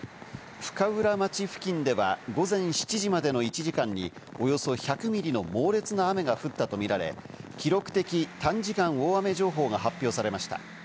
深浦町付近では午前７時までの１時間におよそ１００ミリの猛烈な雨が降ったとみられ、記録的短時間大雨情報が発表されました。